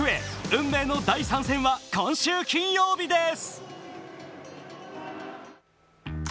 運命の第３戦は今週金曜日です。